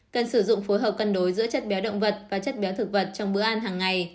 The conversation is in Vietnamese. cần sử dụng phối hợp cân đối giữa chất béo động vật và chất béo thực vật trong bữa ăn hàng ngày